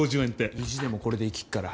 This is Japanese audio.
意地でもこれで生きっから。